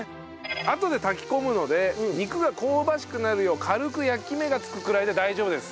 あとで炊き込むので肉が香ばしくなるよう軽く焼き目がつくくらいで大丈夫です。